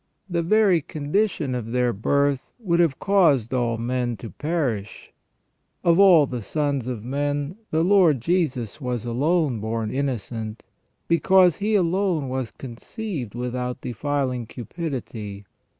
The very condition of their birth would have caused all men to perish. Of all the sons of men the Lord Jesus was alone born innocent, because He alone was conceived without defiling cupidity.